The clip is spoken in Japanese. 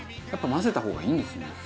やっぱ混ぜた方がいいんですね。